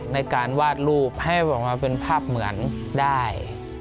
ในการวาดรูปให้บอกว่าเป็นภาพเหมือนได้